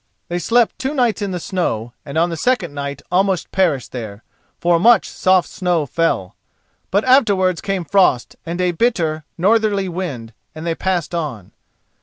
They slept two nights in the snow, and on the second night almost perished there, for much soft snow fell. But afterwards came frost and a bitter northerly wind and they passed on.